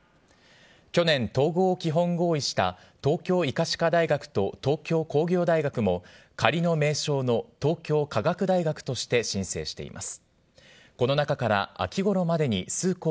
去年、統合を基本合意した東京医科歯科大学と東京工業大学も、仮の名称の東京科学大学として申請しています。